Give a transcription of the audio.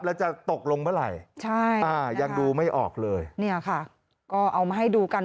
แล้วจะตกลงเมื่อไหร่ใช่อ่ายังดูไม่ออกเลยเนี่ยค่ะก็เอามาให้ดูกัน